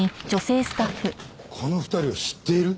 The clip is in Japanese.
この２人を知っている！？